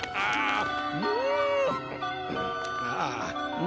うん？